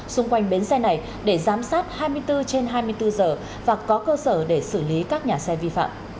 xung quanh bến xe này để giám sát hai mươi bốn trên hai mươi bốn giờ và có cơ sở để xử lý các nhà xe vi phạm